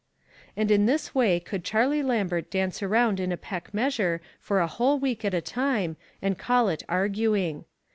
And in this way could Charlie Lambert dance around in a peck measure for a whole week at a time, and call it arguing.